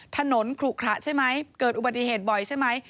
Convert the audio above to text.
ถนนขลุขระใช่ไหมเกิดอุบัติเหตุบ่อยใช่ไหม